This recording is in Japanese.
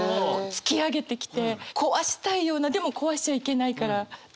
突き上げてきて壊したいようなでも壊しちゃいけないからっていう